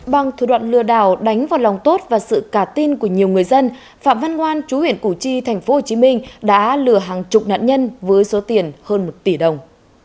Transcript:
bằng thủ đoạn lừa đảo đánh vào lòng tốt và sự cả tin của nhiều người dân phạm văn ngoan chú huyện củ chi tp hcm đã lừa hàng chục nạn nhân với số tiền hơn một tỷ đồng